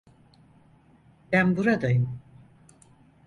Ben buradayım.